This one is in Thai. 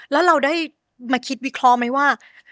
แล้วเราได้มาคิดวิเคราะห์ไหมว่า